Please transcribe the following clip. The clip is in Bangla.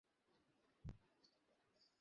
পর্যায় সারণীতে এটি প্লাটিনাম দলের অন্তর্গত।